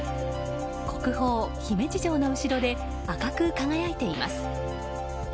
国宝・姫路城の後ろで赤く輝いています。